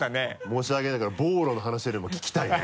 申し訳ないけどボーロの話よりも聞きたいね。